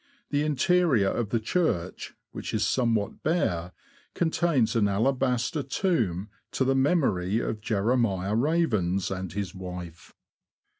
The interior of the church, which is somewhat bare, contains an alabaster tomb to the memory of Jeremiah Ravens and his wife.